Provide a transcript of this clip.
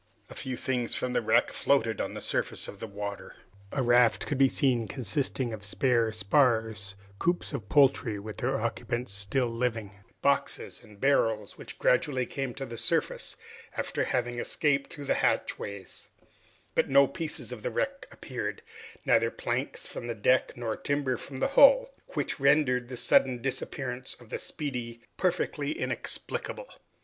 A few things from the wreck floated on the surface of the water, a raft could be seen consisting of spare spars, coops of poultry with their occupants still living, boxes and barrels, which gradually came to the surface, after having escaped through the hatchways, but no pieces of the wreck appeared, neither planks from the deck, nor timber from the hull, which rendered the sudden disappearance of the "Speedy" perfectly inexplicable.